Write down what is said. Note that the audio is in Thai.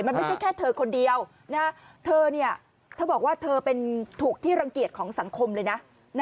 มันไม่ใช่แค่เธอคนเดียวเธอบอกว่าเธอเป็นถูกที่รังเกียจของสังคมเลยนะ